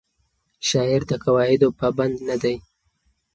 شاعر د قواعدو پابند نه دی.